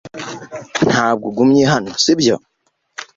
Ntabwo ugumye hano si byo